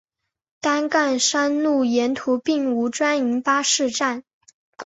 担杆山路沿途并无专营巴士站。